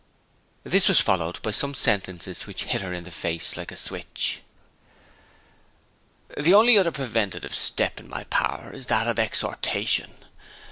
This was followed by some sentences which hit her in the face like a switch: 'The only other preventive step in my power is that of exhortation.